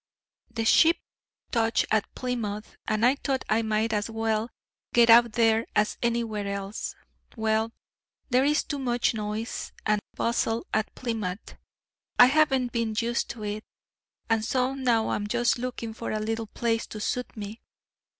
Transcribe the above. "The ship touched at Plymouth, and I thought I might as well get out there as anywhere else. Well, there is too much noise and bustle at Plymouth. I haven't been used to it, and so now I am just looking for a little place to suit me.